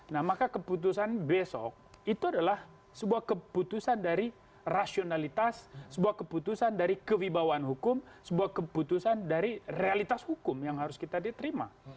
nah maka keputusan besok itu adalah sebuah keputusan dari rasionalitas sebuah keputusan dari kewibawaan hukum sebuah keputusan dari realitas hukum yang harus kita diterima